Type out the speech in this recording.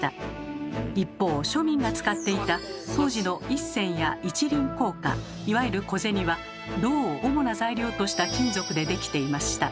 一方庶民が使っていた当時の一銭や一厘硬貨いわゆる小銭は銅を主な材料とした金属で出来ていました。